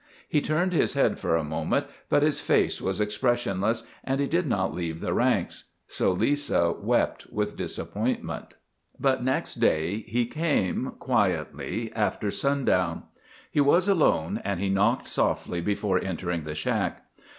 He turned his head for a moment, but his face was expressionless, and he did not leave the ranks. So Lisa wept with disappointment. But next day he came, quietly, after sundown. He was alone and he knocked softly before entering the shack.